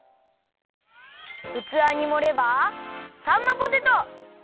うつわにもればさんまポテト！